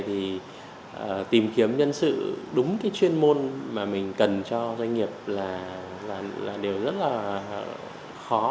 thì tìm kiếm nhân sự đúng cái chuyên môn mà mình cần cho doanh nghiệp là đều rất là khó